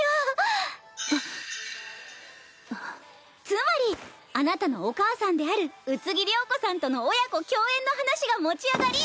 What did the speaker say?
つまりあなたのお母さんである宇津木りょうこさんとの親子共演の話が持ち上がり。